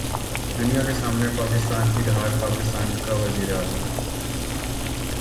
دنیا کے سامنے پاکستان کی ڈھال پاکستان کا وزیراعظم ہے۔